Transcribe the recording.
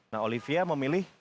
nah olivia memilih